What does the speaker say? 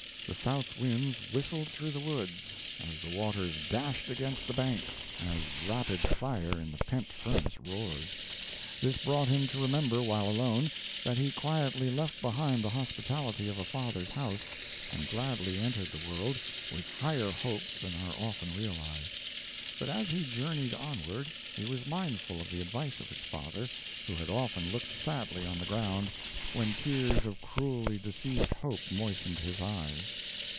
The south winds whistled through the woods, as the waters dashed against the banks, as rapid fire in the pent furnace roars. This brought him to remember while alone, that he quietly left behind the hospitality of a father's house, and gladly entered the world, with higher hopes than are often realized. But as he journeyed onward, he was mindful of the advice of his father, who had often looked sadly on the ground, when tears of cruelly deceived hope moistened his eyes.